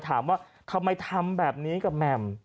ถามว่าทำไมทำแบบนี้กับแหม่ม